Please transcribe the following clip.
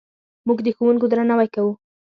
موږ د ښوونکو درناوی کوو.